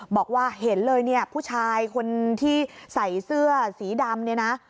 บอกว่าเห็นเลยผู้ชายคนที่ใส่เสื้อสีดำ